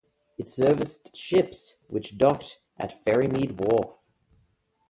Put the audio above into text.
It serviced ships which docked at the Ferrymead wharf.